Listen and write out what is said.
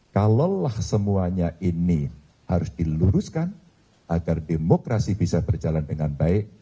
kalaulah semuanya ini harus diluruskan agar demokrasi bisa berjalan dengan baik